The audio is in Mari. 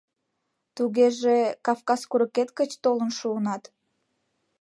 Тугеже, Кавказ курыкет гыч толын шуыныт.